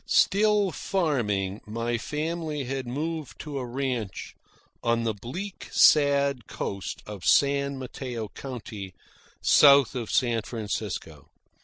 Still farming, my family had moved to a ranch on the bleak sad coast of San Mateo County, south of San Francisco.